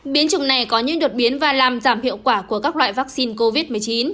biến chủng này có những đột biến và làm giảm hiệu quả của các loại vaccine covid một mươi chín